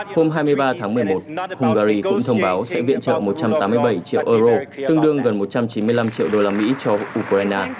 hôm hai mươi ba tháng một mươi một hungary cũng thông báo sẽ viện trợ một trăm tám mươi bảy triệu euro tương đương gần một trăm chín mươi năm triệu đô la mỹ cho ukraine